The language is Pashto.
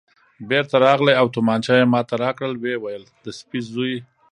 بېرته راغلی او تومانچه یې ما ته راکړل، ویې ویل: د سپي زوی.